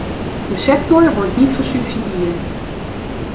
De sector wordt niet gesubsidieerd.